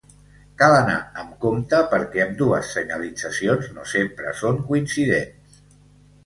Cal anar amb compte perquè ambdues senyalitzacions no sempre són coincidents.